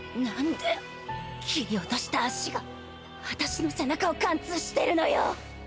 何で切り落とした足があたしの背中を貫通してるのよ